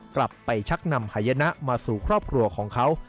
กลับไปชักนำหายนะมาสู่ครอบครัวของเขา